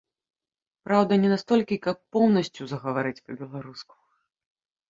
Праўда, не настолькі, каб поўнасцю загаварыць па-беларуску.